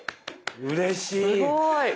うれしい。